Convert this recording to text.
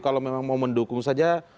kalau memang mau mendukung saja